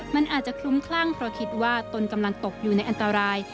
มันอาจจะคลุ้มคลั่งเพราะคิดว่าตนกำลังตกอยู่ในอันตราย